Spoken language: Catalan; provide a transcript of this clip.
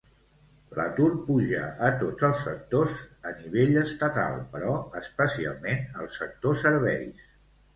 L'atur puja a tots els sectors a nivell estatal però especialment al sector serveis.